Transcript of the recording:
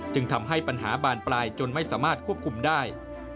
ทำให้ปัญหาบานปลายจนไม่สามารถควบคุมได้